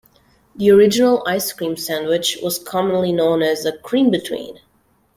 The original ice cream sandwich was commonly known as a "cream between".